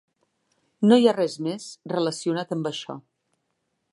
No hi ha res més relacionat amb això.